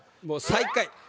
もう最下位。